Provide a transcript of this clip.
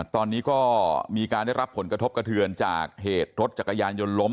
ตอนนี้ก็มีการได้รับผลกระทบกระเทือนจากเหตุรถจักรยานยนต์ล้ม